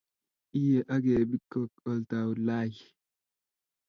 Iyie akebiko oltau lai